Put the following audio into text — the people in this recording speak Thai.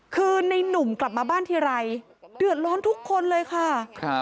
คือในนุ่มกลับมาบ้านทีไรเดือดร้อนทุกคนเลยค่ะ